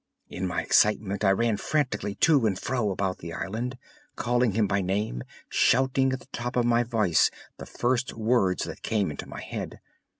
In my excitement I ran frantically to and fro about the island, calling him by name, shouting at the top of my voice the first words that came into my head.